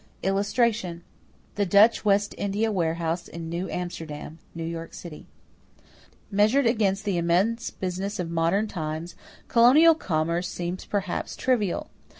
[Illustration: THE DUTCH WEST INDIA WAREHOUSE IN NEW AMSTERDAM (NEW YORK CITY)] Measured against the immense business of modern times, colonial commerce seems perhaps trivial.